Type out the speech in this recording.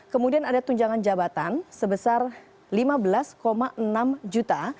kemudian ada tunjangan jabatan sebesar rp lima belas enam juta